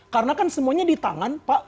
karena kan semuanya di tangan pak